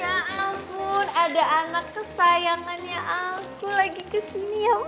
ya ampun ada anak kesayangannya aku lagi kesini ya